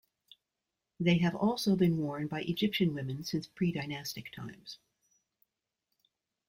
They have also been worn by Egyptian women since predynastic times.